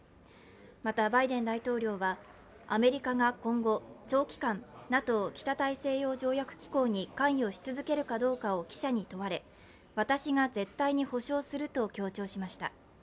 また、バイデン大統領はアメリカが今後、長期間、ＮＡＴＯ＝北大西洋条約機構に関与し続けるかどうかを記者に問われ私が絶対に保証すると強調しました。